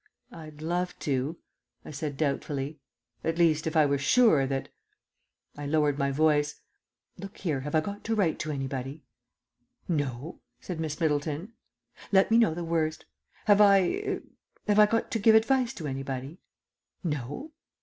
"I'd love to," I said doubtfully. "At least, if I were sure that " I lowered my voice: "Look here have I got to write to anybody?" "No," said Miss Middleton. "Let me know the worst. Have I er have I got to give advice to anybody?" "No."